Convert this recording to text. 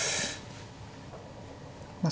まあ